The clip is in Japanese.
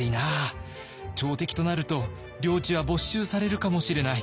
朝敵となると領地は没収されるかもしれない。